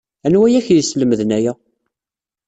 Anwa ay ak-yeslemden aya?